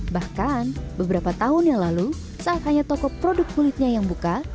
bahkan beberapa tahun yang lalu saat hanya toko produk kulitnya yang buka